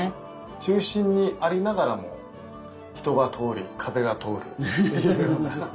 中心にありながらも人が通り風が通る。っていうような。